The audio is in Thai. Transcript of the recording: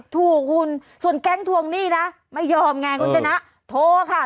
ถูกคุณส่วนแก๊งทวงหนี้นะไม่ยอมไงคุณชนะโทรค่ะ